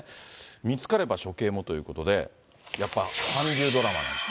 見つかれば処刑もということで、やっぱり韓流ドラマなんですね。